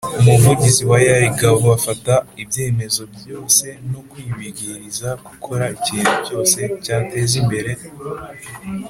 Umuvugizi wa ear d gbo afata ibyemezo byose no kwibwiriza gukora ikintu cyose cyateza imbere